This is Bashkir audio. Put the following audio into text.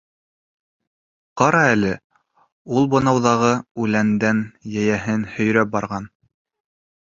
— Ҡара әле, ул бынауҙағы үләндән йәйәһен һөйрәп барған.